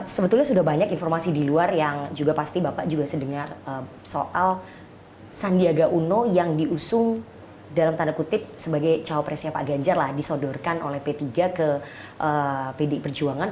sebetulnya sudah banyak informasi di luar yang juga pasti bapak juga sedengar soal sandiaga uno yang diusung dalam tanda kutip sebagai cawapresnya pak ganjar lah disodorkan oleh p tiga ke pdi perjuangan